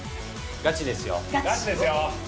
ガチですよ！